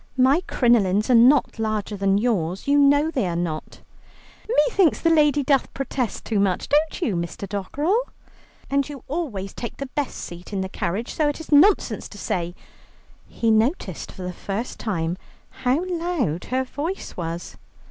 "My crinolines are not larger than yours, you know they are not." "Methinks the lady doth protest too much, don't you, Mr. Dockerell?" "And you always take the best seat in the carriage, so it is nonsense to say ..." He noticed for the first time how loud her voice was.